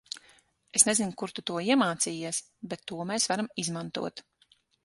Es nezinu kur tu to iemācījies, bet to mēs varam izmantot.